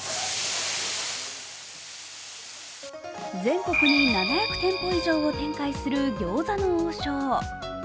全国に７００店舗以上を展開する餃子の王将。